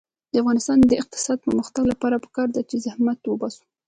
د افغانستان د اقتصادي پرمختګ لپاره پکار ده چې زحمت وباسو.